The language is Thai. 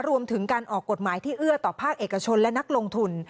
รวมถึงการออกกฎหมายที่เอื้อต่อภาคเอกชนและนักลงทุน